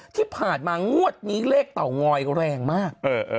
ที่ผ่านมางวดนี้เลขเตางอยแรงมาก